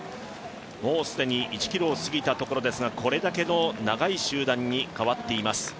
もうすでに１ｋｍを過ぎたところですがこれだけの長い集団に変わっています。